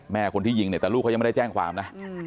คนที่ยิงเนี่ยแต่ลูกเขายังไม่ได้แจ้งความนะ